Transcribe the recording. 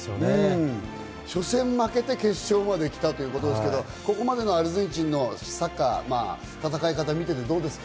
初戦負けて決勝まで来たということですが、ここまでのアルゼンチンのサッカー、戦い方、見ていてどうですか？